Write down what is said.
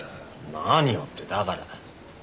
何をってだから。